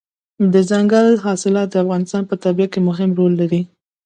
دځنګل حاصلات د افغانستان په طبیعت کې مهم رول لري.